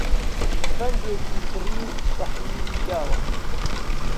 تفەنگێکی کڕی و تەحویلی داوە